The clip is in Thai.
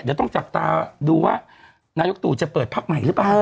เดี๋ยวต้องจับตาดูว่านายกตู่จะเปิดพักใหม่หรือเปล่า